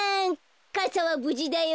かさはぶじだよ。